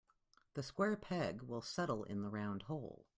The square peg will settle in the round hole.